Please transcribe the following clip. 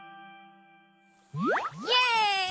イエイ！